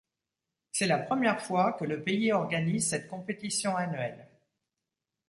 C'est la première fois que le pays organise cette compétition annuelle.